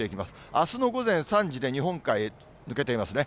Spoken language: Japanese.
あすの午前３時で日本海へ抜けていますね。